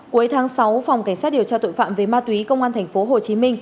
cuối tháng sáu phòng cảnh sát điều tra tội phạm về ma túy công an tp hcm